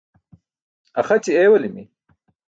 Axaći eewalimi.